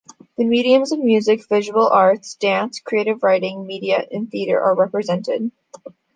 The mediums of music, visual arts, dance, creative writing, media and theater are represented.